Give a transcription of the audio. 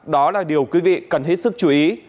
đó là điều quý vị cần hết sức chú ý